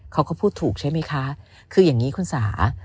เขาก็พูดถูกใช่ไหมคะคืออย่างนี้คุณสา